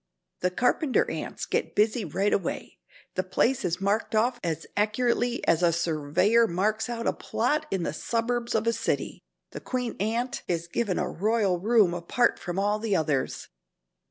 The carpenter ants get busy right away. The place is marked off as accurately as a surveyor marks out a plot in the suburbs of a city. The queen ant is given a royal room apart from all the others.